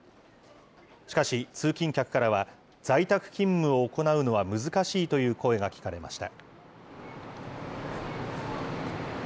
しかし、通勤客からは、在宅勤務を行うのは難しいという声が聞かれました。